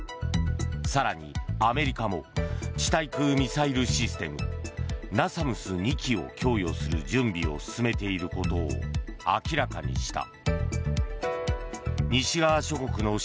更にアメリカも地対空ミサイルシステムＮＡＳＡＭＳ２基を供与する準備を進めていることを明らかにした。